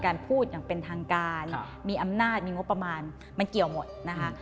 พูดอย่างเป็นทางการมีอำนาจมีงบประมาณมันเกี่ยวหมดนะคะ